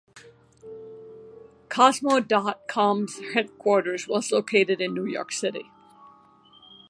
Kozmo dot com's headquarters was located in New York City.